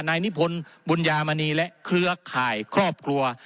นายนิพนธ์บุญญามณีและเครือข่ายครอบครัว